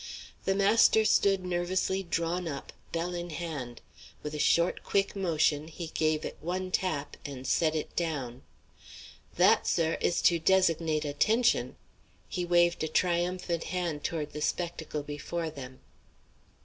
The master stood nervously drawn up, bell in hand. With a quick, short motion he gave it one tap, and set it down. "That, sir, is to designate attention!" He waved a triumphant hand toward the spectacle before them.